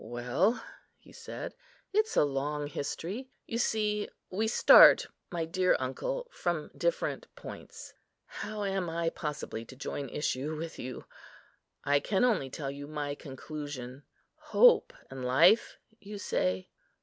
"Well," he said, "it's a long history; you see, we start, my dear uncle, from different points. How am I possibly to join issue with you? I can only tell you my conclusion. Hope and life, you say.